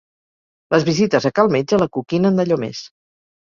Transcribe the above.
Les visites a cal metge l'acoquinen d'allò més.